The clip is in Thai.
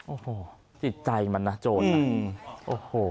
โอ้โหจิตใจมันนะโจรนะโอ้โห